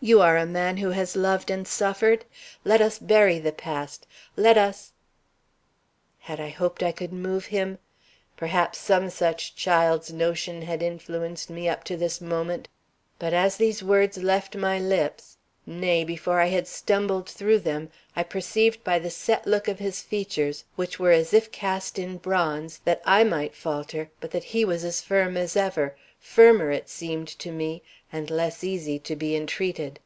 You are a man who has loved and suffered. Let us bury the past; let us " Had I hoped I could move him? Perhaps some such child's notion had influenced me up to this moment. But as these words left my lips, nay, before I had stumbled through them, I perceived by the set look of his features, which were as if cast in bronze, that I might falter, but that he was firm as ever, firmer, it seemed to me, and less easy to be entreated.